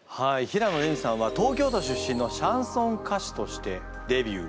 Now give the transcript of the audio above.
平野レミさんは東京都出身のシャンソン歌手としてデビュー。